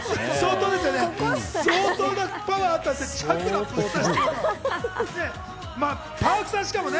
相当のパワーがあったですね。